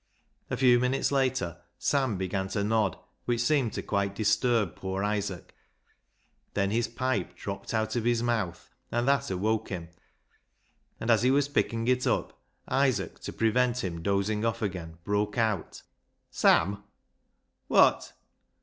A few minutes later Sam began to nod, which seemed to quite disturb poor Isaac. Then his pipe dropped out of his mouth, and that awoke him, and as he was picking it up, Isaac, to prevent him dozing off again, broke out —" Sam !"" Wot